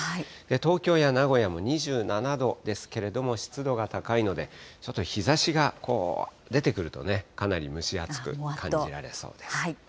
東京や名古屋も２７度ですけれども、湿度が高いので、ちょっと日ざしがこう、出てくるとね、かなり蒸し暑く感じられそうです。